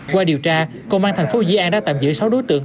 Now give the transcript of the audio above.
qua điều tra công an thành phố dĩ an đã tạm giữ sáu đối tượng